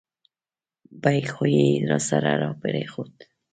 بیک خو یې راسره را پرېښود.